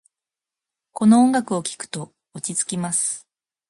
この音楽を聴くと落ち着きます。